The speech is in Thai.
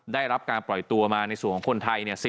ได้รับการปล่อยตัวมาในส่วนของคนไทย